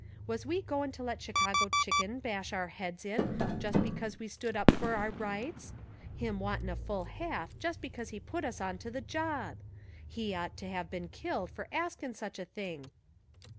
Was we going to let Chicago Chicken bash our heads in just because we stood up for our rights? Him wantin' a full half just because he put us onto the job! He'd ought to been killed for askin' such a thing."